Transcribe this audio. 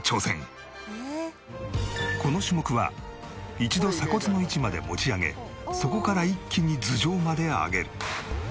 この種目は一度鎖骨の位置まで持ち上げそこから一気に頭上まで上げる。